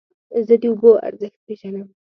زه د اوبو ارزښت پېژنم.